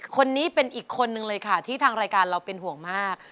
คนนี้เป็นอีกคนนึงเลยค่ะที่ทางรายการเราเป็นห่วงมาก